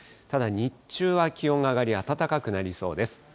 ただ日中は気温が上がり、暖かくなりそうです。